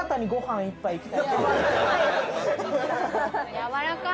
「やわらかい！